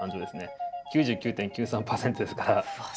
９９．９３％ですから。